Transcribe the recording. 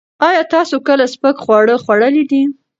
ایا تاسو کله سپک خواړه خوړلي دي؟